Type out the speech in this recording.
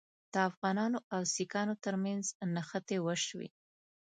د افغانانو او سیکهانو ترمنځ نښتې وشوې.